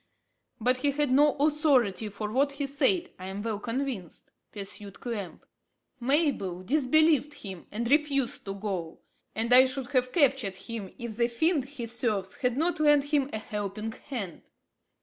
"But he had no authority for what he said, I am well convinced," pursued Clamp. "Mabel disbelieved him and refused to go, and I should have captured him if the fiend he serves had not lent him a helping hand."